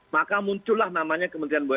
maka muncullah namanya kementerian bumn